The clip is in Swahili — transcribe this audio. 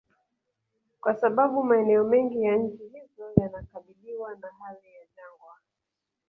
Kwa sababu maeneo mengi ya nchi hizo yanakabiliwa na hali ya jangwa